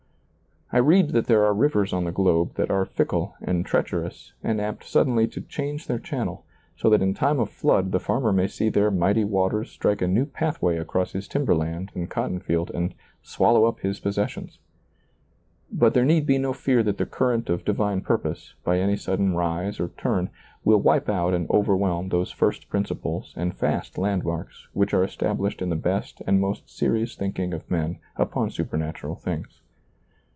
I read that there are rivers on the globe that are fickle and treacherous and apt suddenly to change their channel, so that in time oC flood the farmer may see their mighty waters strike a new pathway across his timber land and cotton field and swallow up his possessions. But there need be no fear that the current of divine purpose, by any sudden rise or turn, will wipe out and over whelm those first principles and fast landmarks which are established in the best and most serious thinking of men upon supernatural things.